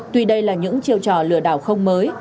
tuy đây là những chiêu trò lừa đảo không mới